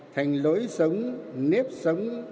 thành lối sống nếp sống